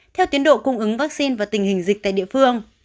theo tiến độ cung ứng vaccine và tình hình dịch tại địa phương